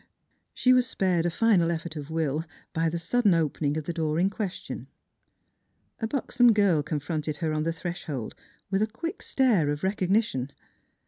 She was spared a final effort of will by the sud den opening of the door in question. A buxom girl confronted her on the threshold with a quick stare of recognition.